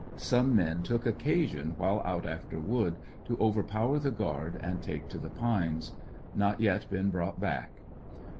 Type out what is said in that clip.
Some men took occasion while out after wood, to overpower the guard and take to the pines. Not yet been brought back.